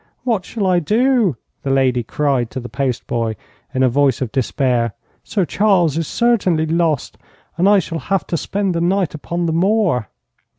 'What shall I do?' the lady cried to the post boy, in a voice of despair. 'Sir Charles is certainly lost, and I shall have to spend the night upon the moor.'